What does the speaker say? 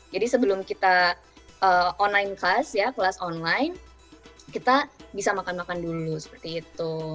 jadi sebelum kita online class ya kelas online kita bisa makan makan dulu seperti itu